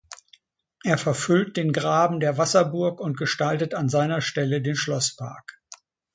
Er verfüllt den Graben der Wasserburg und gestaltet an seiner Stelle den Schlosspark.